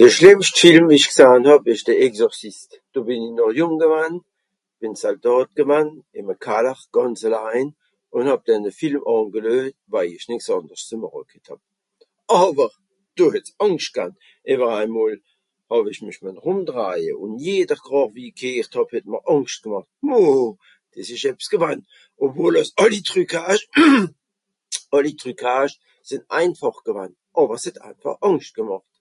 De schlìmmscht Film, wie ìch gsahn hàb ìsch de Exorciste. Do bìn i noch jùng gewann, bìn (...) gewann, ìme Kaller, gànz elein, ùn hàb denne Film àngeluejt, waje ìch nìx ànders ze màche ghet hàb. Àwer ! Do het's Àngscht gan, ìwer ein mol, hàw-ich mìch nìmm rùmdraïe ùn jeder Kràch, wie ìsch gheert hàb, het mr Àngscht gemàcht. Moohhh... dìs ìsch ebbs gewann. Obwohl àss àlli Trucages [tousse] àlli Trucages sìnn einfàch gewann, àwer es het einfàch Àngscht gemàcht.